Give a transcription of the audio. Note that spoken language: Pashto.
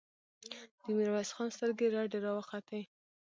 د ميرويس خان سترګې رډې راوختې.